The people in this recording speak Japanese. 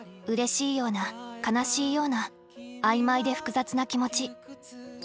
うれしいような悲しいような曖昧で複雑な気持ち。